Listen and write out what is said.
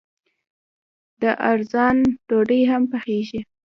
د ارزن ډوډۍ هم پخیږي.